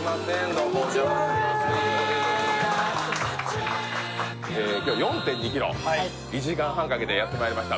どうもこんにちはえっ今日４．２ｋｍ１時間半かけてやってまいりました